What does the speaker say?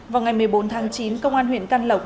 vào ngày một mươi bốn tháng chín công an huyện căn lộc